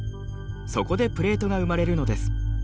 そこでプレートが生まれるのです。